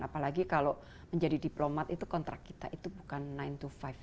apalagi kalau menjadi diplomat itu kontrak kita itu bukan sembilan to lima